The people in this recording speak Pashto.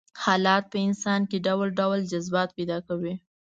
حالات په انسان کې ډول ډول جذبات پيدا کوي.